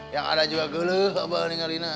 yang ada juga geluh abah nih ngalina